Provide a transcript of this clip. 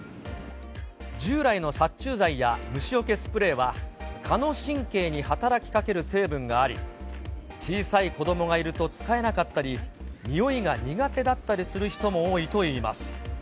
従来の殺虫剤や虫よけスプレーは、蚊の神経に働きかける成分があり、小さい子どもがいると使えなかったり、においが苦手だったりする人も多いといいます。